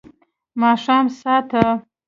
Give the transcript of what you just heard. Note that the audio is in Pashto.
ماښام ساه ته